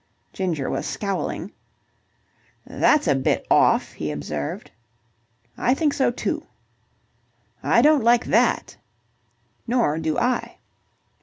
Ginger was scowling. "That's a bit off," he observed. "I think so, too." "I don't like that." "Nor do I."